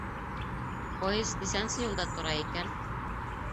Поезд нисәнсе юлда тора икән?